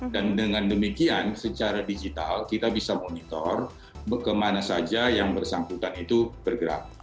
dan dengan demikian secara digital kita bisa monitor kemana saja yang bersangkutan itu bergerak